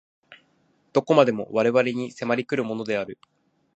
何処までも我々に迫り来るものである。